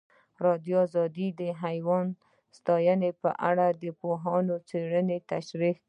ازادي راډیو د حیوان ساتنه په اړه د پوهانو څېړنې تشریح کړې.